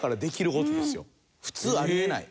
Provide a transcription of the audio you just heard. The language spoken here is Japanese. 普通あり得ない。